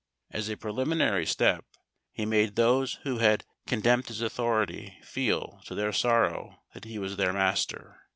As a preliminary step, he made those who had contemned his authority feel, to their sorrow, that he was their master.